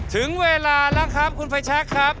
ถึงเวลาแล้วครับคุณไฟแชคครับ